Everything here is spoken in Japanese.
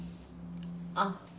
あっ。